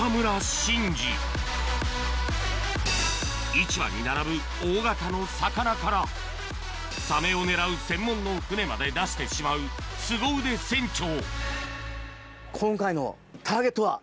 市場に並ぶ大型の魚からサメを狙う専門の船まで出してしまうすご腕船長今回のターゲットは？